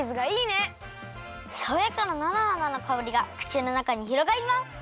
さわやかななのはなのかおりがくちのなかにひろがります！